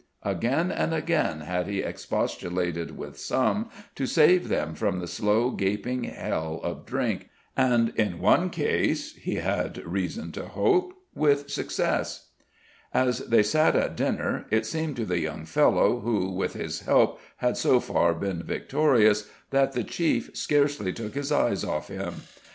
Again and again had he expostulated with some, to save them from the slow gaping hell of drink, and in one case, he had reason to hope, with success. As they sat at dinner, it seemed to the young fellow who, with his help, had so far been victorious, that the chief scarcely took his eyes off him.